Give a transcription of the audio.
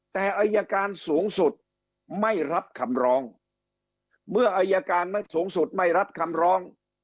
แต่อายการสูงสุดไม่รับคำร้องเมื่ออายการสูงสุดไม่รับคำร้อง